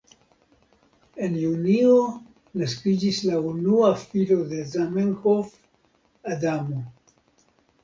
En Junio naskiĝis la unua filo de Zamenhof, Adamo.